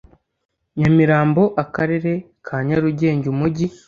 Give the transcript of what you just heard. Nyamirambo akarere ka nyarugenge umujyi